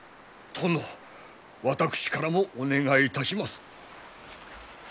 殿私からもお願いいたします。